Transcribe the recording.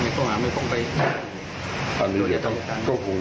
การเรียบเรียนคดีอธิบดีไม่ต้องหาไม่ต้องไปก็คง